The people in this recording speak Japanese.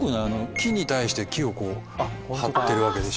木に対して木を張ってるわけでしょ。